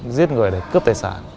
giết người để cướp tài sản